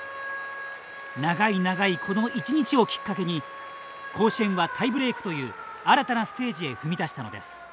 長い長い、この一日をきっかけに甲子園はタイブレークという新たなステージへ踏み出したのです。